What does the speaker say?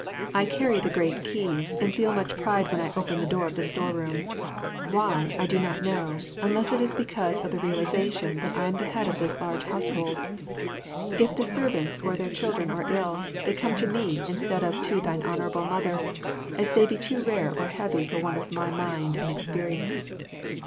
I carry the great keys and feel much pride when I open the door of the storeroom. Why, I do not know, unless it is because of the realisation that I am the head of this large household. If the servants or their children are ill, they come to me instead of to thine Honourable Mother, as they be too rare or heavy for one of my mind and experience.